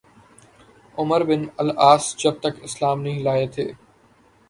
عمرو بن العاص جب تک اسلام نہیں لائے تھے